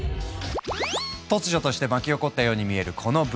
突如として巻き起こったように見えるこのブーム。